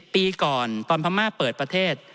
ปีก่อนตอนพม่าเปิดประเทศ